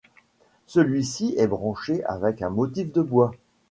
Celui-ci est banché avec un motif de bois.